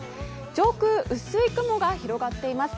上空、薄い雲が広がっています